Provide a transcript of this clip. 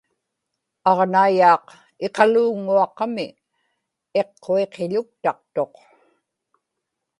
aġnaiyaaq iqaluuŋŋuaqami iqquiqiḷuktaqtuq